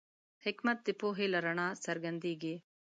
حکمت د پوهې له رڼا څرګندېږي.